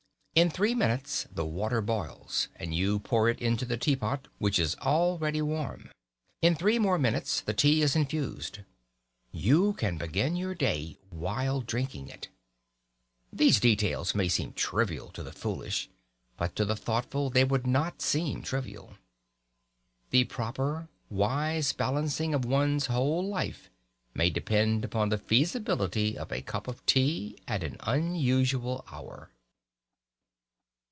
In three minutes the water boils, and you pour it into the teapot (which is already warm). In three more minutes the tea is infused. You can begin your day while drinking it. These details may seem trivial to the foolish, but to the thoughtful they will not seem trivial. The proper, wise balancing of one's whole life may depend upon the feasibility of a cup of tea at an unusual hour.